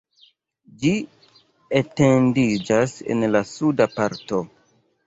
Ĝi etendiĝas en la suda parto.